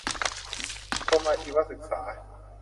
กรมอาชีวศึกษา